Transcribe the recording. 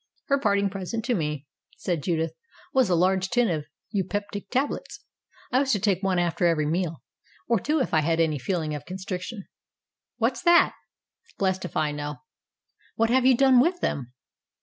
"Her parting present to me," said Judith, "was a large tin of eupeptic tablets. I was to take one after every meal or two if I had any feeling of constric tion." "What's that?" "Blessed if I know." "What have you done with them?"